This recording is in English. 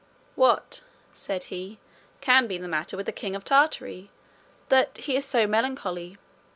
"What," said he, "can be the matter with the king of Tartary that he is so melancholy?